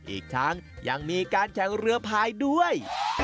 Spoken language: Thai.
อีกทั้งยังมีการแข่งเรือพายด้วย